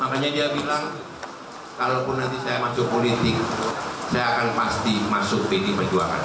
makanya dia bilang kalau pun nanti saya masuk politik saya akan pasti masuk pdip